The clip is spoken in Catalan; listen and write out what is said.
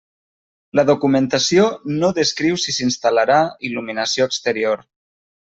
La documentació no descriu si s'instal·larà il·luminació exterior.